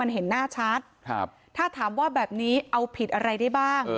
เห็นหน้าชัดถ้าถามว่าแบบนี้เอาผิดอะไรได้บ้าง